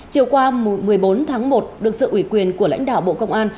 chiều qua một mươi bốn tháng một được sự ủy quyền của lãnh đạo bộ công an